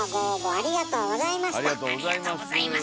ありがとうございます。